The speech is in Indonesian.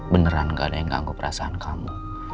beneran gak ada yang ganggu perasaan kamu